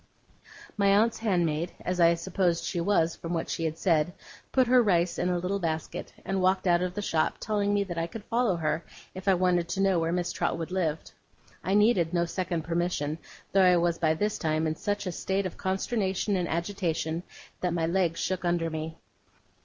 My aunt's handmaid, as I supposed she was from what she had said, put her rice in a little basket and walked out of the shop; telling me that I could follow her, if I wanted to know where Miss Trotwood lived. I needed no second permission; though I was by this time in such a state of consternation and agitation, that my legs shook under me.